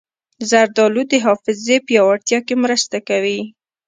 زردالو د حافظې پیاوړتیا کې مرسته کوي.